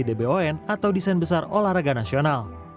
dibuat dari sosialisasi dbon atau desain besar olahraga nasional